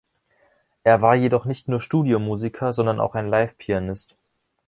Er war jedoch nicht nur Studiomusiker, sondern auch ein Live-Pianist.